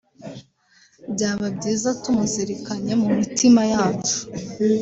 Byaba byiza tumuzirikanye mu mitima yacu